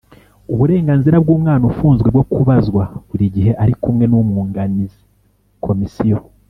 Uburenganzira bw umwana ufunzwe bwo kubazwa buri gihe ari kumwe n umwunganizi Komisiyo